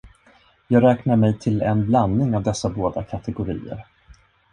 Jag räknar mig till en blandning av dessa båda kategorier.